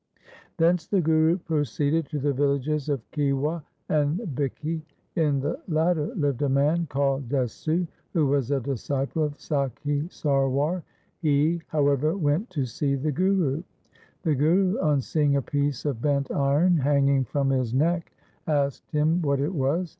Thence the Guru proceeded to the villages of Khiwa and Bhikki. In the latter lived a man called Desu who was a disciple of Sakhi Sarwar, He, however, went to see the Guru. The Guru, on seeing a piece of bent iron hanging from his Z2 340 THE SIKH RELIGION neck, asked him what it was.